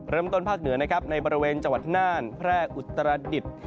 ภาคเหนือนะครับในบริเวณจังหวัดน่านแพร่อุตรดิษฐ์